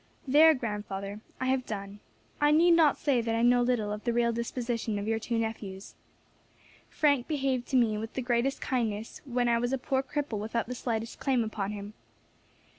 There, grandfather, I have done. I need not say that I know little of the real disposition of your two nephews. Frank behaved to me with the greatest kindness when I was a poor cripple without the slightest claim upon him.